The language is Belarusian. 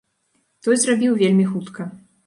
Той зрабіў вельмі хутка.